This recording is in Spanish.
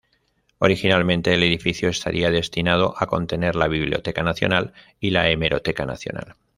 Originalmente, el edificio estaría destinado a contener la Biblioteca Nacional y la Hemeroteca Nacional.